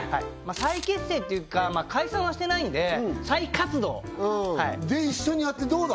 再結成っていうか解散はしてないんで再活動で一緒にやってどうだ？